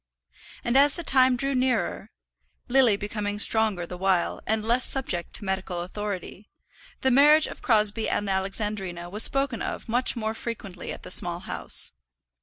And as the time drew nearer, Lily becoming stronger the while, and less subject to medical authority, the marriage of Crosbie and Alexandrina was spoken of much more frequently at the Small House.